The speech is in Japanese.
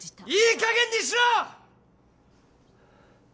いいかげんにしろ！